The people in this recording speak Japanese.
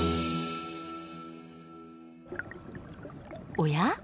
おや？